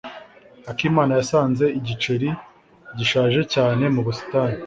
Akimana yasanze igiceri gishaje cyane mu busitani.